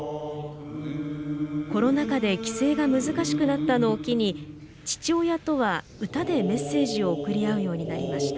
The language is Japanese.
コロナ禍で帰省が難しくなったのを機に父親とは歌でメッセージを送り合うようになりました。